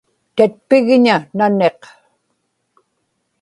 tatpigña naniq